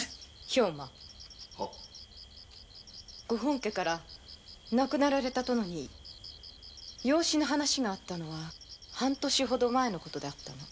矢吹本家から亡くなられた殿に養子の話があったのは半年前であったな？